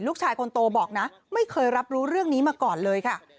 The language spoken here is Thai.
ลูกชายคนโตบอกนะไม่เคยรับรู้เรื่องนี้มาก่อนเลยค่ะ